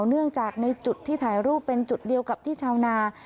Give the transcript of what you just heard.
เนื่องจากในจุดที่ถ่ายรูปเป็นจุดเดียวกับที่ชาวนา